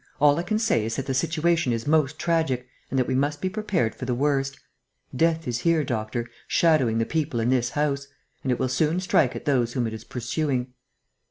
All I can say is that the situation is most tragic and that we must be prepared for the worst. Death is here, doctor, shadowing the people in this house; and it will soon strike at those whom it is pursuing."